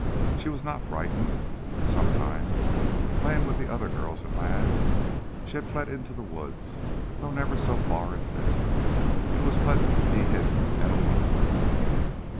She was not frightened. Sometimes, playing with the other girls and lads, she had fled into the wood, though never so far as this. It was pleasant to be hidden and alone.